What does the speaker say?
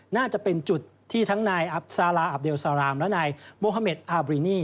น่าจะเป็นจุดที่ทั้งนายอับซาลาอับเลซารามและนายโมฮาเมดอาบรีนี่